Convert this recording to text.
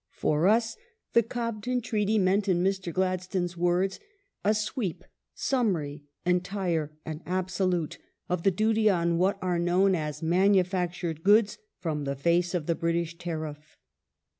For us the Cobden Treaty meant in Mr. Gladstone's words " a sweep, summary, entii'e and absolute, of the duty on what are known as manufactured goods from the face of the British tariff"".